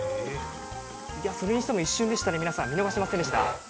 それにしても一瞬でしたね、皆さん、見逃しませんでした？